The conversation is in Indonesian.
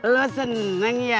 lo seneng ya